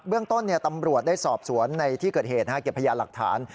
เรื่องต้นตำรวจได้สอบสวนในที่เกิดเหตุเก็บพยานหลักฐาน